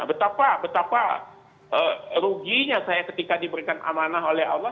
betapa ruginya saya ketika diberikan amanah oleh allah